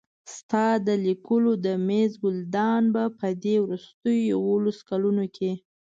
ستا د لیکلو د مېز ګلدان به په دې وروستیو یوولسو کلونو کې.